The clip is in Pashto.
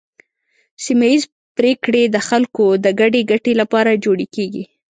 سیمه ایزې پریکړې د خلکو د ګډې ګټې لپاره جوړې کیږي.